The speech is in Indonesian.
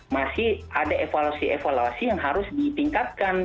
masih ada evaluasi evaluasi yang harus ditingkatkan